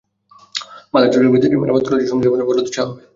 বাঁধ জরুরি ভিত্তিতে মেরামত করার জন্য সংশ্লিষ্ট মন্ত্রণালয়ে বরাদ্দ চাওয়া হবে।